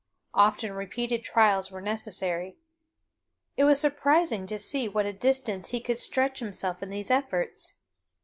Often repeated trials were necessary. It was surprising to see to what a distance he could stretch himself in these efforts.